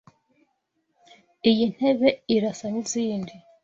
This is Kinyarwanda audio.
Iyi ntebe irasa nizindi?